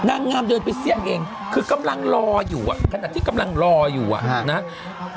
นางงามเดินไปเสี่ยมเองคือกำลังรออยู่อ่ะขนาดที่กำลังรออยู่อ่ะนะ